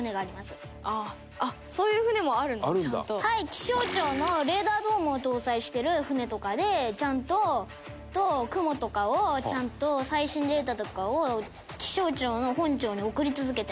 気象庁のレーダードームを搭載してる船とかでちゃんと雲とかをちゃんと最新データとかを気象庁の本庁に送り続けてます。